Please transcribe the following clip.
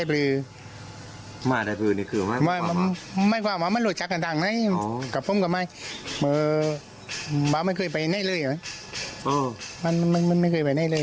คืออยู่แบบพวกเขาตรวจพวกมีอิทธิพลได้มาบานมาก